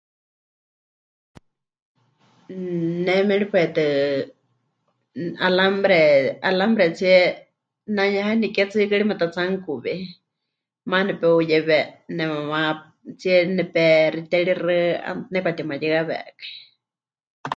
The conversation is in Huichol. Ne méripai tɨ alambre, alambretsie ne'anuyehaniké tsɨikɨri mepɨtatsihanukuwei, maana nepeuyewe, nemamatsíe nepexiterixɨ, 'aana nepɨkatimayɨawekai.